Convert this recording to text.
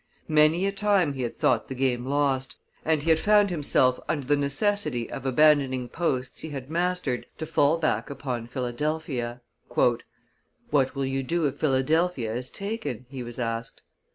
Many a time he had thought the game lost, and he had found himself under the necessity of abandoning posts he had mastered to fall back upon Philadelphia. "What will you do if Philadelphia is taken?" he was asked.